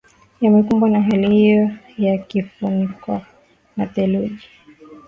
yamekumbwa na hali hiyo ya kufunikwa na theluji